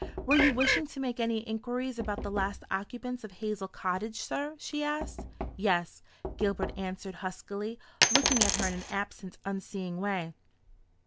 "Were you wishing to make any inquiries about the last occupants of Hazel Cottage, sir?" she asked. "Yes," Gilbert answered huskily, looking at her in an absent unseeing way.